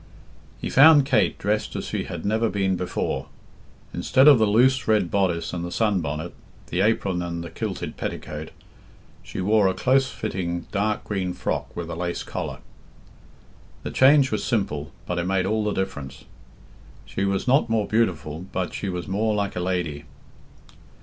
He found Kate dressed as she had never been before. Instead of the loose red bodice and the sun bonnet, the apron and the kilted petticoat, she wore a close fitting dark green frock with a lace collar. The change was simple, but it made all the difference. She was not more beautiful, but she was more like a lady.